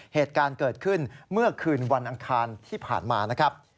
เหตุการณ์เกิดขึ้นเมื่อคืนวันอังคารที่ผ่านมานะครับ